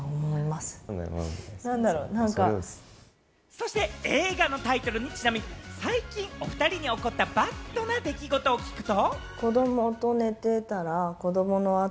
そして映画のタイトルにちなみ、最近おふたりに起こったＢＡＤな出来事を聞くと。